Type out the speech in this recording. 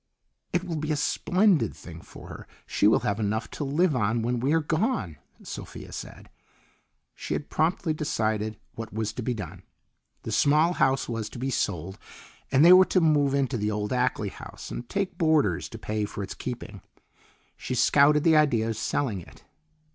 "It will be a splendid thing for her; she will have enough to live on when we are gone," Sophia said. She had promptly decided what was to be done. The small house was to be sold, and they were to move into the old Ackley house and take boarders to pay for its keeping. She scouted the idea of selling it.